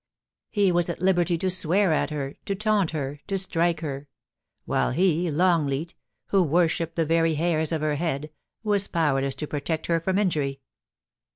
He was at liberty to swear at her — to taunt her — to strike her ; while he, Longleat, who worshipped the very hairs of her head, was powerless to protect her from injury.